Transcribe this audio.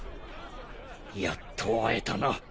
やっと会えたな。